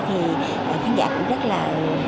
thì khán giả cũng rất là